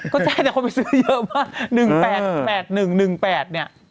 ก็ใช่เดี๋ยวคนไปซื้อเยอะมาก๑๘เนี่ย